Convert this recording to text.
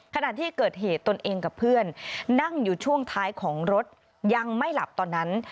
ขณะที่เกิดเหตุตนเองกับเพื่อนนั่งอยู่ช่วงท้ายของรถยังไม่หลับตอนนั้น